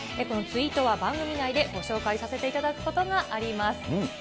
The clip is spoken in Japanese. このツイートは番組内でご紹介させていただくことがあります。